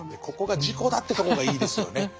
ここが自己だってとこがいいですよね。